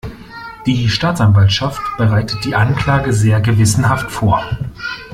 Die Staatsanwaltschaft bereitet die Anklage sehr gewissenhaft vor.